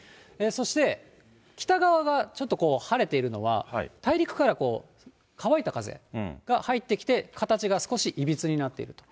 そして北側がちょっと晴れているのは、大陸から乾いた風が入ってきて、形が少しいびつになっていると。